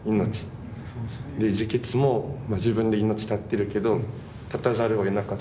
自決も自分で命絶ってるけど絶たざるをえなかった命。